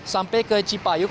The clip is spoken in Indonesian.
sampai ke cipayung